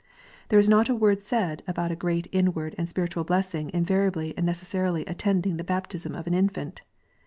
There is not a word said about a great inward and spiritual blessing invariably and necessarily attending the baptism of an infant.